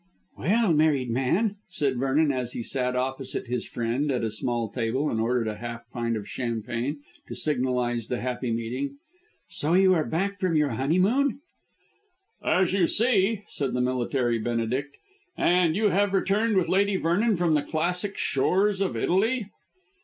"Well, married man," said Vernon, as he sat opposite his friend at a small table and ordered a half pint of champagne to signalise the happy meeting. "So you are back from your honeymoon?" "As you see," said the military benedict; "and you have returned with Lady Vernon from the classic shores of Italy."